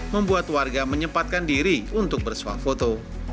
membuat warga menyempatkan diri untuk bersuah foto